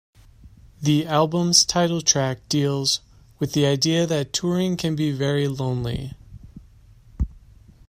The album's title track deals "with the idea that touring can be very lonely".